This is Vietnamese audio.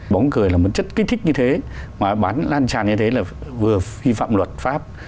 bóng cười là một chất kích thích như thế mà bán lan tràn như thế là vừa phi phạm luật pháp